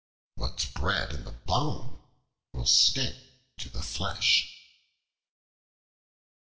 What's bred in the bone will stick to the flesh.